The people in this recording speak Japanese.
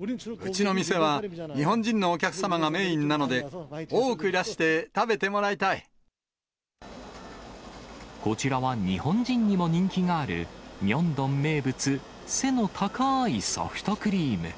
うちの店は、日本人のお客様がメインなので、こちらは日本人にも人気がある、ミョンドン名物、背の高いソフトクリーム。